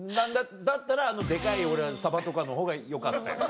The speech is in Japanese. だったらあのデカいサバとかのほうがよかったよ。